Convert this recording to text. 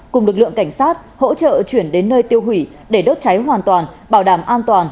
cùng lực lượng cảnh sát hỗ trợ chuyển đến nơi tiêu hủy để đốt cháy hoàn toàn bảo đảm an toàn